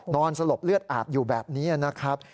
สลบเลือดอาบอยู่แบบนี้นะครับ